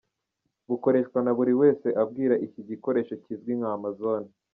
bukoreshwa na buri wese abwira iki gikoresho kizwi nka Amazon